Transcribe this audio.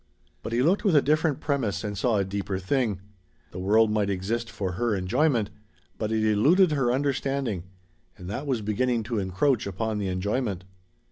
But he looked with a different premise and saw a deeper thing. The world might exist for her enjoyment, but it eluded her understanding. And that was beginning to encroach upon the enjoyment.